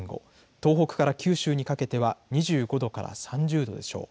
東北から九州にかけては２５度から３０度でしょう。